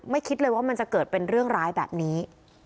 คิดเลยว่ามันจะเกิดเป็นเรื่องร้ายแบบนี้